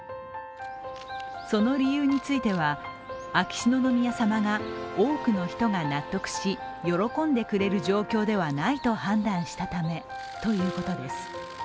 その理由については、秋篠宮様が多くの人が納得し喜んでくれる状況ではないと判断したためということです。